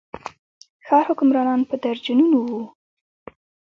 ښار حکمرانان په درجنونو وو.